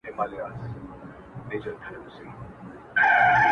کله شاته کله څنګ ته یې کتله!